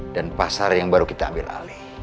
dan pasar yang baru kita ambil alih